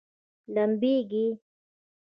لمبیږي؟